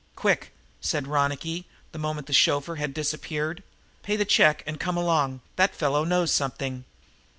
"Quick!" said Ronicky, the moment the chauffeur had disappeared. "Pay the check and come along. That fellow knows something."